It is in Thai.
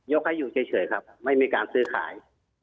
ให้อยู่เฉยครับไม่มีการซื้อขาย